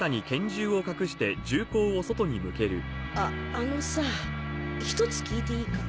ああのさあひとつ聞いていいか？